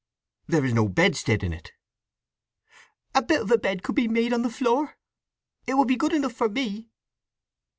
"There is no bedstead in it." "A bit of a bed could be made on the floor. It would be good enough for me."